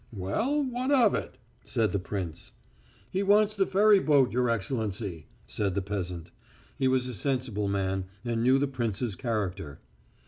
"Well, what of it?" said the prince. "He wants the ferry boat, your Excellency," said the peasant. He was a sensible man, and knew the prince's character.